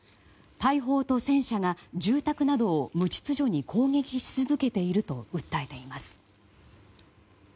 大砲と戦車が住宅などを無秩序に攻撃し続けていると訴えています。